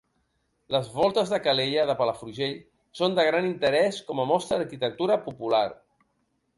Les Voltes de Calella de Palafrugell són de gran interès com a mostra d'arquitectura popular.